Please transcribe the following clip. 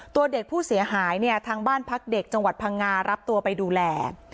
ตัวเด็กผู้เสียหายเนี่ยทางบ้านพักเด็กจังหวัดพังงารับตัวไปดูแล